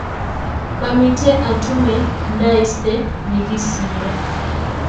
Kamite atume ndaiste nyigisindo